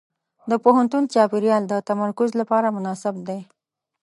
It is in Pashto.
د پوهنتون چاپېریال د تمرکز لپاره مناسب دی.